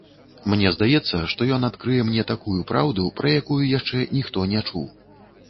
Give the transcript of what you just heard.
Мне здаецца, што ён адкрые мне такую праўду, пра якую яшчэ ніхто не чуў.